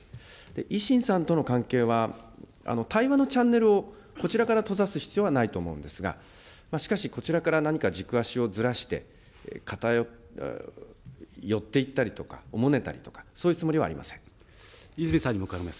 維新さんとの関係は、対話のチャンネルをこちらから閉ざす必要はないと思うんですが、しかし、こちらから何か軸足をずらして、寄っていったりとか、おもねたりと泉さんにも伺います。